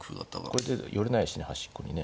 これで寄れないしね端っこにね。